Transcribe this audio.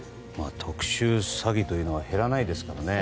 特殊詐欺というのは減らないですからね。